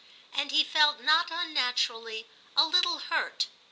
And he felt, not unnaturally, a little hurt.